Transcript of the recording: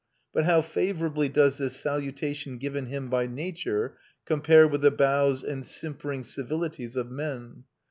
But how favourably does this salutation given him by nature compare with the bows and simpering civilities of men.